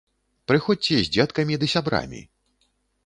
Прыходзьце з дзеткамі ды сябрамі!